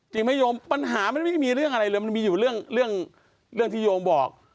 จริงไหมโยมปัญหามันไม่มีเรื่องอะไรเลยมันมีอยู่เรื่องที่โยมบอก